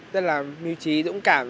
rất là miêu trí dũng cảm